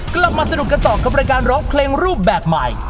กลับมาสนุกกันต่อกับรายการร้องเพลงรูปแบบใหม่